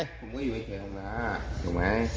ผมไม่อยู่ไหนเฉยหรอกนะถูกไหม